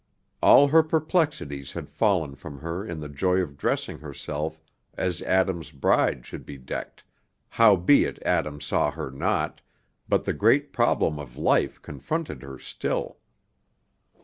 All her perplexities had fallen from her in the joy of dressing herself as Adam's bride should be decked, howbeit Adam saw her not, but the great problem of life confronted her still.